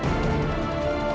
aku akan buktikan